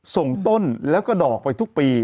ส่งต้นแล้วก็ดอกไปทุกปี